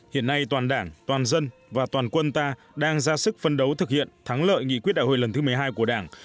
hiện nay toàn đảng toàn dân và toàn quân ta đang ra sức phân đấu thực hiện thắng lợi nghị quyết đại hội lần thứ một mươi hai của đảng